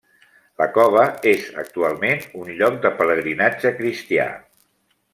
La cova és actualment un lloc de pelegrinatge cristià.